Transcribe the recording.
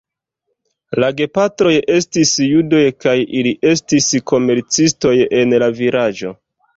La gepatroj estis judoj kaj ili estis komercistoj en la vilaĝo.